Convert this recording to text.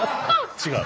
違う？